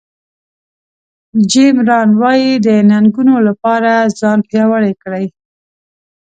جیم ران وایي د ننګونو لپاره ځان پیاوړی کړئ.